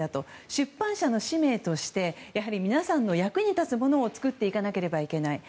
出版社の使命として皆さんの役に立つものを作っていかなければいけない。